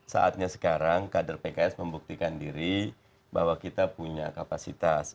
saatnya sekarang kader pks membuktikan diri bahwa kita punya kapasitas